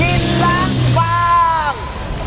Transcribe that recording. กินรักฟัง